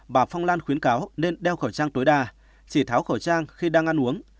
bà phong lan khuyến cáo nên đeo khẩu trang tối đa chỉ tháo khẩu trang khi đang ăn uống